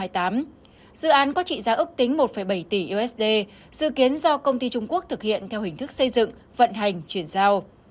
dự án có trị giá ước tính một bảy tỷ usd dự kiến do công ty trung quốc thực hiện theo hình thức xây dựng vận hành chuyển giao